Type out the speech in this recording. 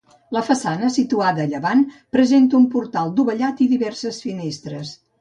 La façana, situada a llevant, presenta un portal dovellat i diverses finestres.